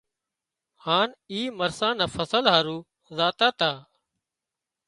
هانَ اي مرسان نا فصل هارو زاتا تا